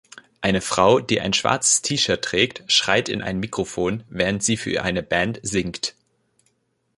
Eine Frau, die ein schwarzes T-Shirt trägt, schreit in ein Mikrofon, während sie für eine Band sinkt.